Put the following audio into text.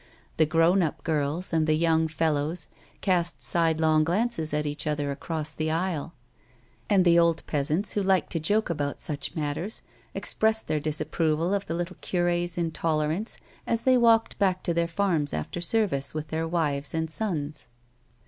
The grown up girls and the young fellows cast side long glances at each other across the aisle ; and the old peasants, who liked to joke about such matters, expressed their dis approval of the little cure's intolerance as they walked back to their farms after service with their wives and sons.